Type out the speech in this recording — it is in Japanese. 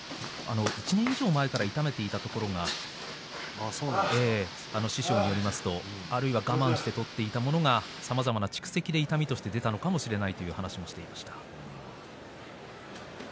１年以上前から痛めていたところが師匠によりますとあるいは我慢して取っていたものがさまざまな蓄積で痛めていたところが出てきてしまったのかもしれないということです。